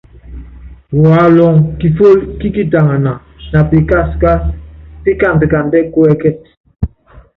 Walɔŋ kifól kí kitaŋana na pikaskás pikand kandɛɛ́ kuɛ́kɛt.